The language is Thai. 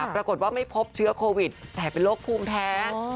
ปรากฏว่าไม่พบเชื้อโควิดแต่เป็นโรคภูมิแพ้